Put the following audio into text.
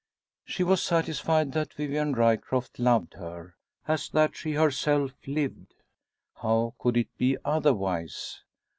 She was satisfied that Vivian Ryecroft loved her, as that she herself lived. How could it be otherwise?